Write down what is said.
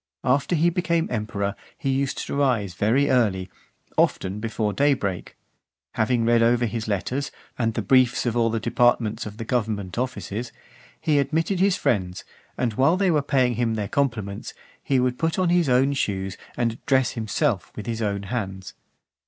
After he became emperor, he used to rise very early, often before daybreak. Having read over his letters, and the briefs of all the departments of the government offices; he admitted his friends; and while they were paying him their compliments, he would put on his own shoes, and dress himself with his own hands.